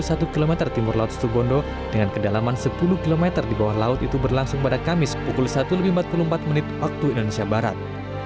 pembangunan yang terjadi di sumonep dan setubondo dengan kedalaman sepuluh km di bawah laut itu berlangsung pada kamis pukul satu empat puluh empat menit waktu indonesia barat